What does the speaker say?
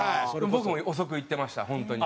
僕も遅く言ってました本当に。